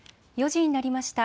４時になりました。